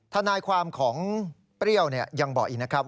ทนายความของเปรี้ยวยังบอกอีกนะครับ